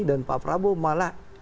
dan pak prabowo malah